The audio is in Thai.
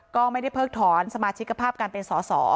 ก็ไม่ได้เพิกถอนสมาชิกภาพการเป็นสอสอ